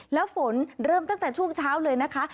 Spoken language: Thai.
แล้วฝนเริ่มตั้งแต่ช่วงเช้าเลยนะคะ